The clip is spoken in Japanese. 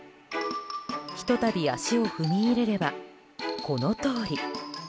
ひと度、足を踏み入れればこのとおり。